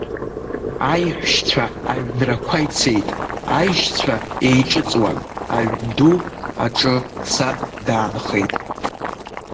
Аеҳәшьцәа аҩнрақәа ицеит, аишьцәа еиҿыҵуан, Аҩнду аҿы саб даанхеит.